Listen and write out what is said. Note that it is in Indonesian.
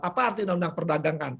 apa arti undang undang perdagangan